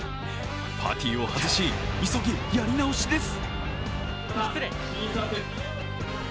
パティを外し、急ぎやり直しです。